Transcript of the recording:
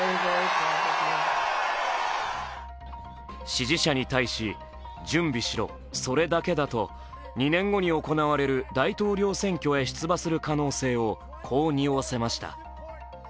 支持者に対し、準備しろ、それだけだと２年後に行われる大統領選挙へし出馬する可能性をこうにおわせました。